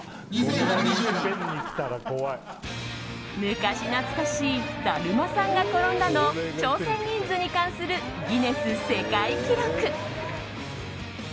昔懐かしいだるまさんが転んだの挑戦人数に関するギネス世界記録。